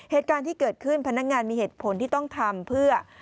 เหตุการณ์ที่เกิดขึ้นพนักงานมีเหตุผลที่ต้องทำเพื่อ